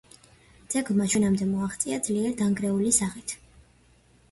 ძეგლმა ჩვენამდე მოაღწია ძლიერ დანგრეული სახით.